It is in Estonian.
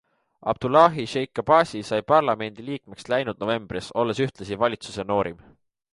Abdullahi Sheikh Abasi sai parlamendi liikmeks läinud novembris, olles ühtlasi valitsuse noorim.